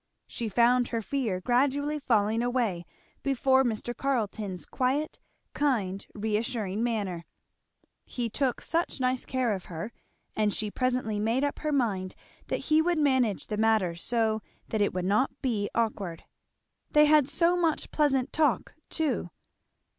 She found her fear gradually falling away before Mr. Carleton's quiet kind reassuring manner; he took such nice care of her; and she presently made up her mind that he would manage the matter so that it would not be awkward. They had so much pleasant talk too.